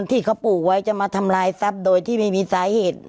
ที่เขาปลูกไว้จะมาทำลายทรัพย์โดยที่ไม่มีสาเหตุ